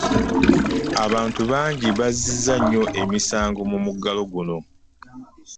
Abantu bangi baziza nnyo emisango mu muggalo guno.